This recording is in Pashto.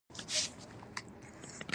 زه تل هڅه کوم چې وطن مې پاک وساتم.